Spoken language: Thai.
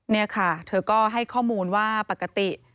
นี่ค่ะเธอก็ให้ข้อมูลว่าปกติ